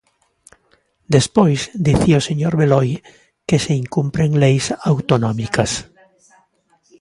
Despois, dicía o señor Beloi que se incumpren leis autonómicas.